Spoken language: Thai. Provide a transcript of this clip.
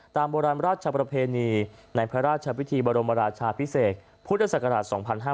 โบราณราชประเพณีในพระราชพิธีบรมราชาพิเศษพุทธศักราช๒๕๕๙